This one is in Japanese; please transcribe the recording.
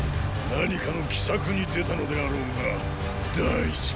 何かの奇策に出たのであろうが大失敗だ。